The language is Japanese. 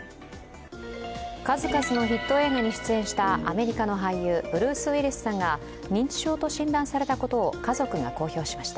数々のヒット映画に出演したアメリカの俳優ブルース・ウィリスが認知症と診断されたことを家族が公表しました。